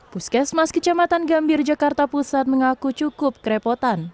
puskesmas kecamatan gambir jakarta pusat mengaku cukup kerepotan